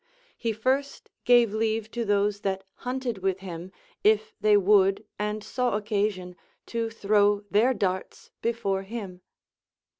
He first gave leave to those that hunted Avith him. if they would and saw occasion, to throw their darts before him.